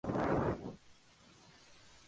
Los vampiros son casi imparables.